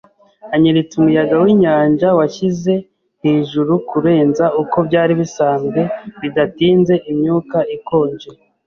anyeretse umuyaga winyanja washyize hejuru kurenza uko byari bisanzwe. Bidatinze, imyuka ikonje